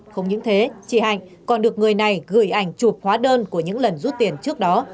không những thế chị hạnh còn được người này gửi ảnh chụp hóa đơn của những lần rút tiền trước đó